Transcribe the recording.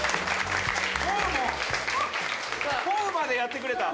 「“ＰＯＷ”までやってくれた」